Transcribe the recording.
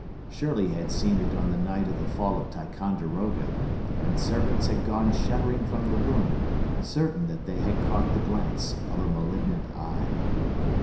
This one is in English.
Shirley had seen it on the night of the fall of Ticonderoga, and servants had gone shuddering from the room, certain that they had caught the glance of a malignant eye.